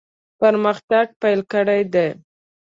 پرمختګ پیل کړی دی.